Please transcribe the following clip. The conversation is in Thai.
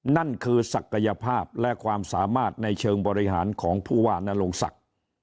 นั่นคือศักยภาพและความสามารถในเชิงบริหารของผู้ว่านรงศักดิ์